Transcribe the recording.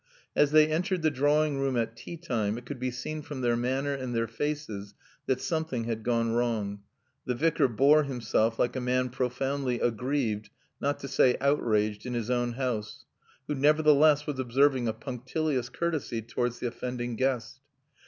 As they entered the drawing room at tea time it could be seen from their manner and their faces that something had gone wrong. The Vicar bore himself like a man profoundly aggrieved, not to say outraged, in his own house, who nevertheless was observing a punctilious courtesy towards the offending guest.